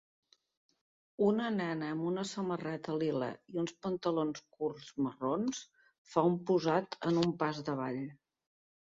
Una nena amb una samarreta lila i uns pantalons curts marrons fa un posat en un pas de ball.